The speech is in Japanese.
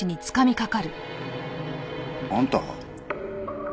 あんた。